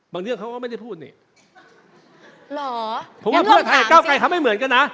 เรื่องเขาก็ไม่ได้พูดนี่หรอผมว่าเพื่อไทยกับก้าวไกลเขาไม่เหมือนกันนะ